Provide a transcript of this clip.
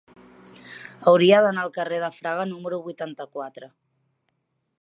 Hauria d'anar al carrer de Fraga número vuitanta-quatre.